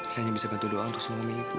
saya hanya bisa bantu doa untuk suami ibu